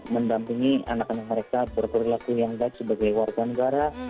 mendampingi anak anak mereka berperilaku yang baik sebagai warga negara